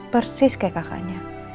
persis kayak kakaknya